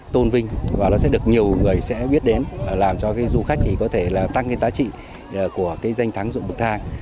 tôn vinh và nó sẽ được nhiều người sẽ biết đến làm cho cái du khách thì có thể là tăng cái giá trị của cái danh thắng dụng bậc thang